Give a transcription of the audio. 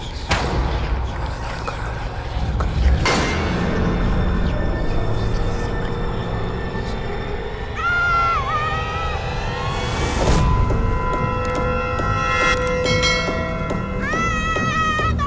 aduh kipasnya pake mati lagi